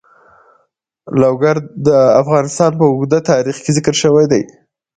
لوگر د افغانستان په اوږده تاریخ کې ذکر شوی دی.